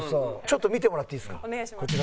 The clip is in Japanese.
ちょっと見てもらっていいですか？